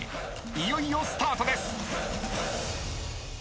いよいよスタートです。